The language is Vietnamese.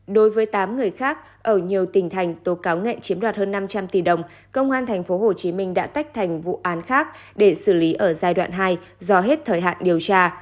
đối với tám người khác ở nhiều tỉnh thành tố cáo ngạn chiếm đoạt hơn năm trăm linh tỷ đồng công an tp hcm đã tách thành vụ án khác để xử lý ở giai đoạn hai do hết thời hạn điều tra